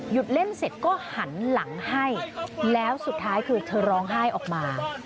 เล่นเสร็จก็หันหลังให้แล้วสุดท้ายคือเธอร้องไห้ออกมา